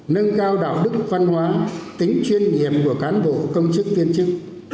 nâng cao đạo đức văn hóa tính chuyên nghiệp của cán bộ công chức viên chức